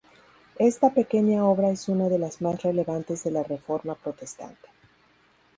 Esta pequeña obra es una de las más relevantes de la Reforma Protestante.